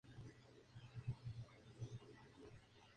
Era un "municipium" con sus propios magistrados y senado local.